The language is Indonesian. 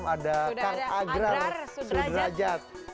sudah ada agrar sudrajat